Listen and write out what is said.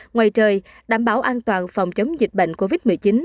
ngoài trời đảm bảo an toàn phòng chống dịch bệnh covid một mươi chín